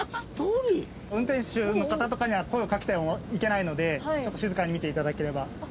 運転士の方とかには声をかけてはいけないので静かに見ていただければ。